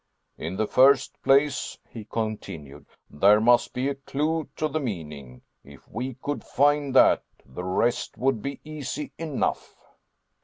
"In the first place," he continued, "there must be a clue to the meaning. If we could find that, the rest would be easy enough."